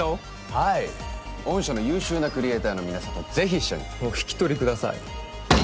はい御社の優秀なクリエイターの皆さんとぜひ一緒にお引き取りください